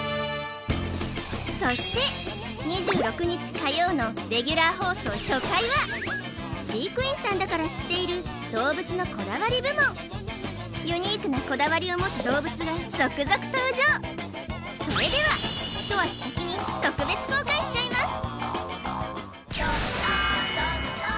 そして２６日火曜のレギュラー放送初回は飼育員さんだから知っている動物のこだわり部門ユニークなこだわりを持つ動物が続々登場それでは一足先に特別公開しちゃいます